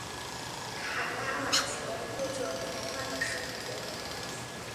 卡拉瓦乔过着狂乱的生活。